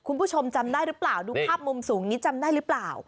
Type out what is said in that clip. คุณผู้ชมจำได้หรือเปล่าดูภาพมุมสูงนี้จำได้หรือเปล่า